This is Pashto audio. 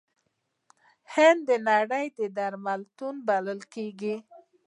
هند د نړۍ درملتون بلل کیږي.